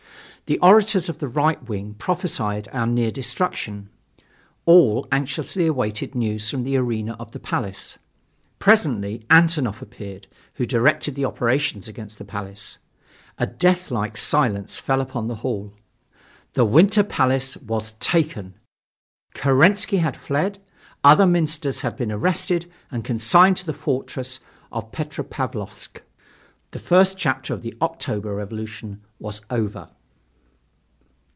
The orators of the right wing prophesied our near destruction. All anxiously awaited news from the arena of the Palace. Presently Antonoff appeared, who directed the operations against the Palace. A death like silence fell upon the hall. The Winter Palace was taken; Kerensky had fled; other ministers had been arrested and consigned to the fortress of Petropavlovsk. The first chapter of the October revolution was over.